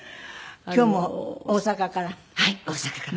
今日も大阪から？